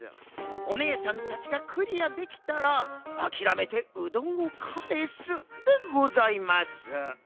おねえさんたちがクリアできたらあきらめてうどんをかえすでございます。